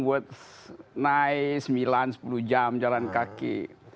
buat naik sembilan sepuluh jam jalan kaki